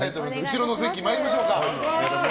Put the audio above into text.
後ろの席に参りましょうか。